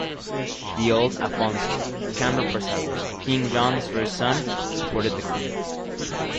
The old Afonso, Count of Barcelos, King John's first son, supported the Queen.